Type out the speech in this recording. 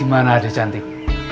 gimana adik cantik